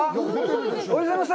おはようございます。